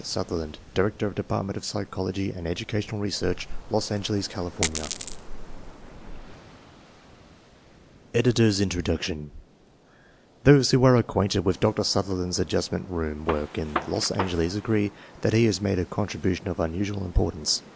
Sutherland, Director of Department of Psychology and Educational Research, Los Angeles, California Editor's Introduction Those who are acquainted with Dr. Sutherland's Adjustment Room work in Los Angeles agree that he has made a contribution of unusual importance.